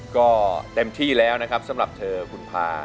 ก็เต็มที่แล้วนะครับสำหรับเธอคุณพา